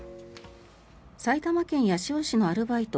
埼玉県八潮市のアルバイト